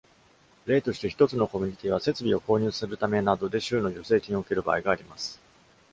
例として、一つのコミュニティは設備を購入するためなどで、州の助成金を受ける場合があります。